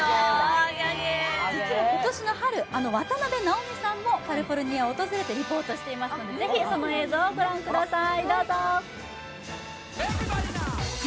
今年の春、渡辺直美さんもカリフォルニアを訪れてリポートしてましたのでその様子をご覧ください。